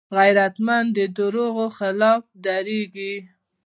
غیرتمند د دروغو خلاف دریږي